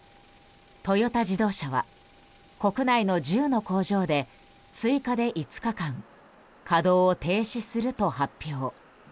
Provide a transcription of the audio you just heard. トヨタ自動車は国内の１０の工場で追加で５日間稼働を停止すると発表。